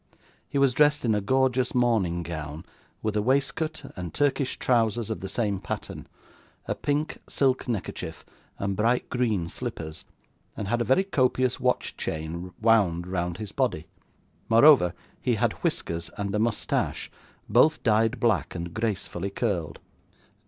He was dressed in a gorgeous morning gown, with a waistcoat and Turkish trousers of the same pattern, a pink silk neckerchief, and bright green slippers, and had a very copious watch chain wound round his body. Moreover, he had whiskers and a moustache, both dyed black and gracefully curled.